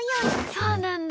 そうなんだ！